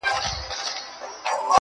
زړه لکه هينداره ښيښې گلي,